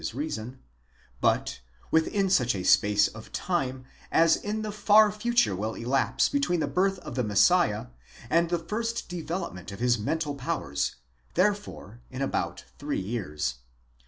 his reason, but—within such a space of time, as in the far future will elapse between the birth of the Messiah and the first development of his mental powers; therefore in about three. years.